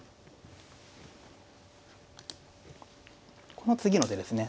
この次の手ですね